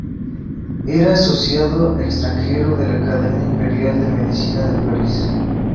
Era asociado extranjero de la Academia Imperial de Medicina de París.